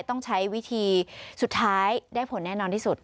ต้องใช้วิธีสุดท้ายได้ผลแน่นอนที่สุด